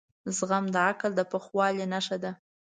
زغم د عقل د پخوالي نښه ده.